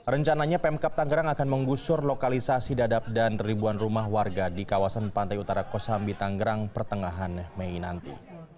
rencananya pemkap tanggerang akan menggusur lokalisasi dadap dan ribuan rumah warga di kawasan pantai utara kosambi tanggerang pertengahan mei nanti